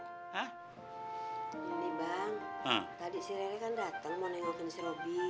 ini bang tadi si rere kan dateng mau nengokin si robby